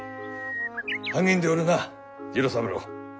励んでおるな次郎三郎。